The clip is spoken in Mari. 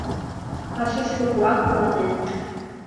А шӱшпык мура куанен...